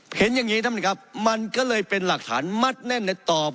เห็นอย่างนี้ท่านประธานครับมันก็เลยเป็นหลักฐานมัดแน่นในตอบ